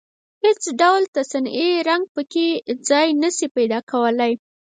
هېڅ ډول تصنعي رنګ په کې ځای نشي پيدا کولای.